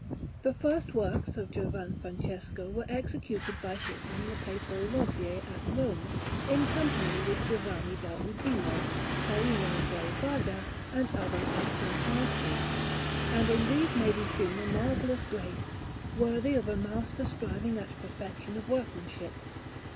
The first works of Giovan Francesco were executed by him in the Papal Loggie at Rome, in company with Giovanni da Udine, Perino del Vaga, and other excellent masters; and in these may be seen a marvellous grace, worthy of a master striving at perfection of workmanship.